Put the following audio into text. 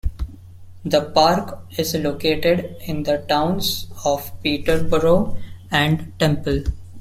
The park is located in the towns of Peterborough and Temple.